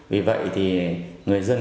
vì vậy thì người dân